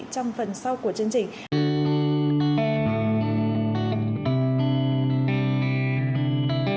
trong phần sau của chương trình